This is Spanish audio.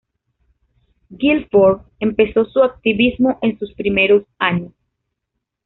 Gilford empezó su activismo en sus primeros años.